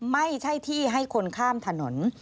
ไม่ใช่ที่ให้คนข้ามถนน